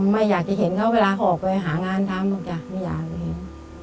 ไม่อยากจะเห็นเขาเวลาออกไปหางานทำหรอกจ้ะไม่อยากเห็น